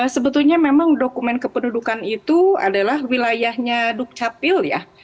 sebetulnya memang dokumen kependudukan itu adalah wilayahnya dukcapil ya